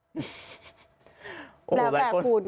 แล้วแต่คุณ